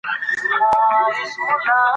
تاسو باید د خپلو حقوقو لپاره غږ پورته کړئ.